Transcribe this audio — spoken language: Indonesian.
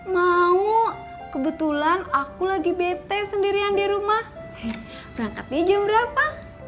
mau kebetulan aku lagi bete sendirian di rumah berangkatnya jam berapa